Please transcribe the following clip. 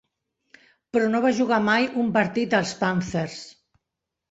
Però no va jugar mai un partit als Panthers.